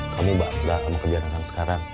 kamu mbak gak akan kebiarangan sekarang